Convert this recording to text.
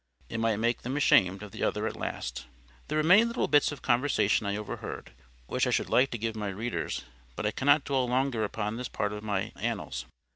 It might make them ashamed of the other at last. There were many little bits of conversation I overheard, which I should like to give my readers; but I cannot dwell longer upon this part of my Annals.